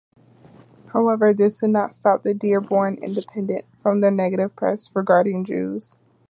However, this did not stop the "Dearborn Independent" from their negative press regarding Jews.